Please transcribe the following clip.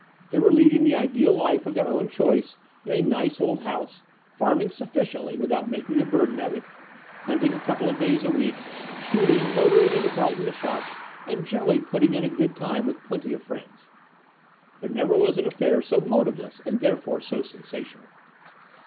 They were leading the ideal life i of their own choice in a nice old house, farming c sufficiently without making a burden of it, hunt e ing a couple of days a week, shooting, motoring : into Brighton to shop, and generally putting in a 5 good time with plenty of friends. ! There never was an affair so motiveless and I therefore so sensational.